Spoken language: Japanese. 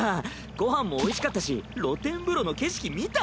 ご飯もおいしかったし露天風呂の景色見た？